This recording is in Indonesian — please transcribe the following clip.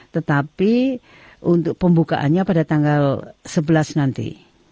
tetapi untuk pembukaannya pada tanggal sebelas nanti